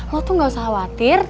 lo tuh gak usah khawatir